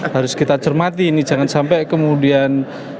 harus kita cermati ini jangan sampai kemudian